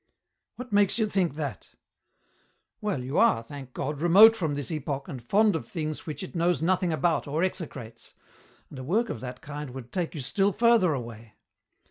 "What makes you think that?" "Well, you are, thank God, remote from this epoch and fond of things which it knows nothing about or execrates, and a work of that kind would take you still further away.